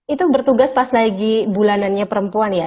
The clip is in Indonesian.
itu bertugas pas lagi bulanannya perempuan ya